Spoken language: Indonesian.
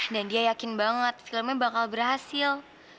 dan dia yakin banget filmnya bakal berhasil